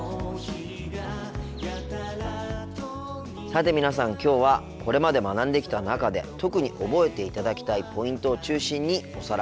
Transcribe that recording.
さて皆さんきょうはこれまで学んできた中で特に覚えていただきたいポイントを中心におさらいしています。